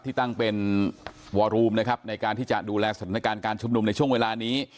ที่ตั้งเป็นวอรูมนะครับในการที่จะดูแลสถานการณ์การชุมนุมในช่วงเวลานี้